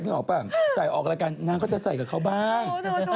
ใส่ออกกำลังก็โฉ่กับท่านน้องคงจะใส่กับเขาบ้าง